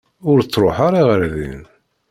Ur ttruḥ ara ɣer din.